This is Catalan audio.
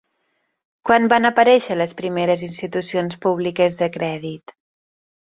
Quan van aparèixer les primeres institucions públiques de crèdit?